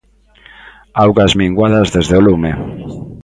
Augas minguadas desde o lume.